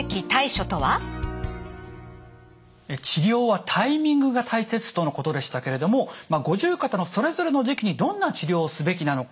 治療はタイミングが大切とのことでしたけれども五十肩のそれぞれの時期にどんな治療をすべきなのか。